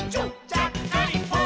ちゃっかりポン！」